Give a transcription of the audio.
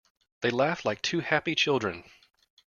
They laughed like two happy children.